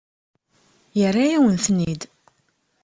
Yerra-yawen-ten-id.